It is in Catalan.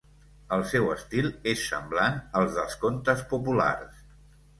El seu estil és semblant al dels contes populars.